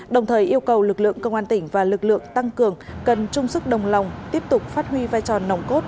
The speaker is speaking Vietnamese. đồng thời yêu cầu lực lượng công an tỉnh và lực lượng tăng cường cần trung sức đồng lòng tiếp tục phát huy vai trò nồng cốt